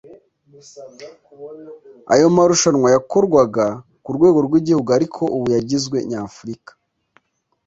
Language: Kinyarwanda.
Ayo marushanwa yakorwaga ku rwego rw’igihugu ariko ubu yagizwe Nyafurika